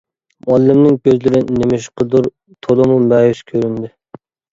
مۇئەللىمنىڭ كۆزلىرى نېمىشقىدۇر تولىمۇ مەيۈس كۆرۈندى.